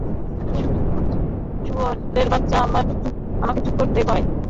শুয়োরের বাচ্চা আমারে চুপ করতে কয়।